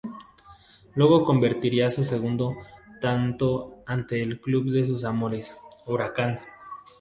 Luego convertiría su segundo tanto ante el club de sus amores, Huracán.